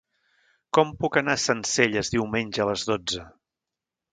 Com puc anar a Sencelles diumenge a les dotze?